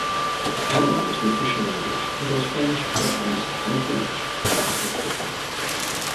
Catalan is the official language, although Spanish, Portuguese and French are also spoken.